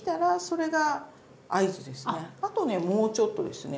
あとねもうちょっとですね。